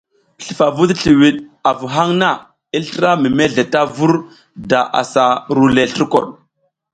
Slufavu ti sliwiɗ avu haŋ na i slra mi mezle ta vur da asa ru le slurkoɗ.